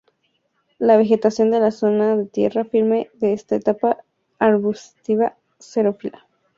La vegetación de la zona de tierra firme es de estepa arbustiva xerófila.